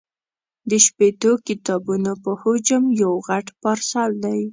د شپېتو کتابونو په حجم یو غټ پارسل دی.